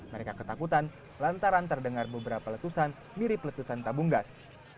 mereka ketakutan lantaran terdengar beberapa letusan mirip letusan tabung gas